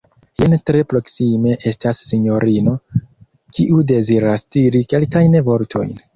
Jen tre proksime estas sinjorino, kiu deziras diri kelkajn vortojn.